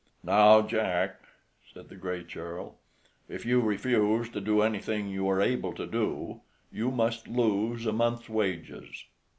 "Now, Jack," said the Gray Churl, "if you refuse to do anything you are able to do, you must lose a month's wages."